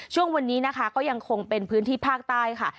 ช่วงนี้นะคะก็ยังคงเป็นพื้นที่ภาคใต้ค่ะ